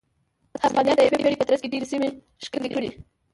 هسپانیا د یوې پېړۍ په ترڅ کې ډېرې سیمې ښکېلې کړې.